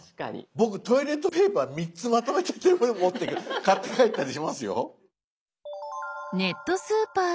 僕トイレットペーパー３つまとめて全部持って買って帰ったりしますよ。